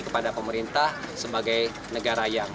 kepada pemerintah sebagai negara yang